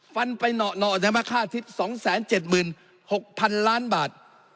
ฟันไปเหนาะเหนาะนะครับค่าทริปสองแสนเจ็ดหมื่นหกพันล้านบาท